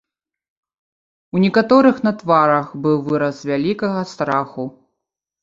У некаторых на тварах быў выраз вялікага страху.